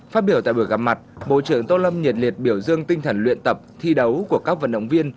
phát biểu tại buổi gặp mặt bộ trưởng tô lâm nhiệt liệt biểu dương tinh thần luyện tập thi đấu của các vận động viên